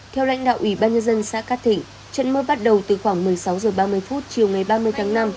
theo lãnh đạo ủy ban nhân dân xã cát thịnh trận mưa bắt đầu từ khoảng một mươi sáu h ba mươi chiều ngày ba mươi tháng năm